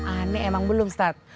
aneh emang belum ustadz